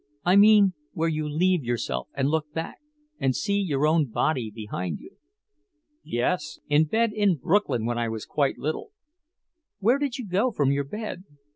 I mean where you leave yourself and look back and see your own body behind you." "Yes in bed in Brooklyn when I was quite little." "Where did you go from your bed?"